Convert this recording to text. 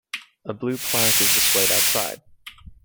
A blue plaque is displayed outside.